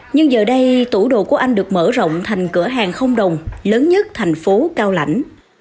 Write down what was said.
nhưng giờ đây tủ đồ của anh được mở rộng thành cửa hàng không đồng lớn nhất thành phố cao lãnh